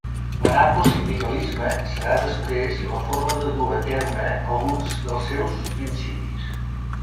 L'anarcosindicalisme serà després la forma de dur a terme alguns dels seus principis.